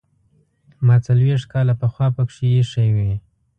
ما څلوېښت کاله پخوا پکې ایښې وې.